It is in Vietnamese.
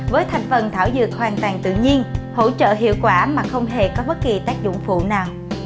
với thành phần thảo dược hoàn toàn tự nhiên hỗ trợ hiệu quả mà không hề có bất kỳ tác dụng phụ nào